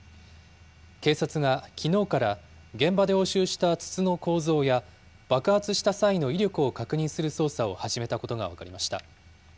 警察がきのうから現場で押収した筒の構造や、爆発した際の威力を確認する捜査を始めたことが分かりました。